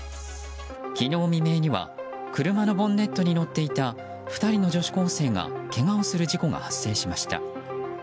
昨日未明には車のボンネットに乗っていた２人の女子高生がけがをする事故が発生しました。